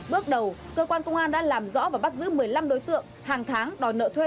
bước đầu cơ quan công an đã làm rõ và bắt giữ một mươi năm đối tượng hàng tháng đòi nợ thuê